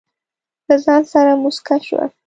له ځانه سره موسکه شوه.